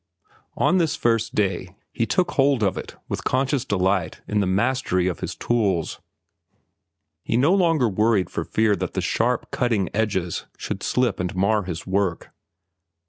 On this first day he took hold of it with conscious delight in the mastery of his tools. He no longer worried for fear that the sharp, cutting edges should slip and mar his work.